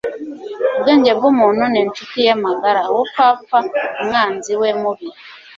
ubwenge bw'umuntu ni inshuti ye magara; ubupfapfa umwanzi we mubi